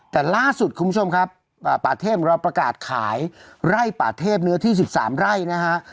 แต่ล่าสุดคุณผู้ชมครับป่าเทพของเราประกาศขายไร่ป่าเทพเนื้อที่๑๓ไร่นะฮะ